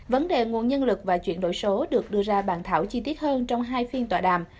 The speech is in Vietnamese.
vấn đề nguồn nhân lực và chuyển đổi số được đưa ra bàn thảo chi tiết hơn trong hai phiên tòa đàm